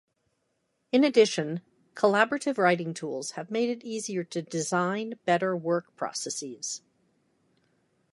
In addition, collaborative writing tools have made it easier to design better work processes.